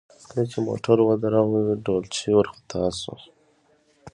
ده چې موټر ودراوه ډولچي ورخطا شو.